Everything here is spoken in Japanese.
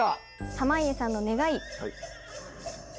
濱家さんの願い。